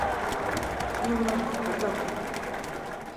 Non, non, perdón.